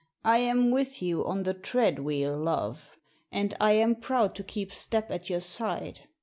I am with you on the treadwheel, love, and I am proud to keep step at your side.